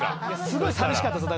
すごい寂しかったです。